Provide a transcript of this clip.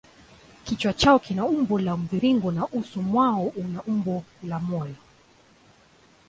Kichwa chao kina umbo la mviringo na uso mwao una umbo la moyo.